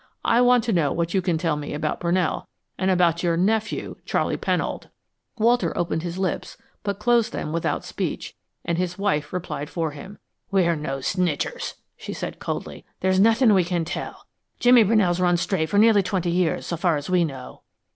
I want to know what you can tell me about Brunell and about your nephew, Charley Pennold." Walter opened his lips, but closed them without speech, and his wife replied for him. "We're no snitchers," she said coldly. "There's nothin' we can tell. Jimmy Brunell's run straight for near twenty years, so far as we know."